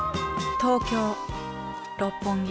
東京六本木。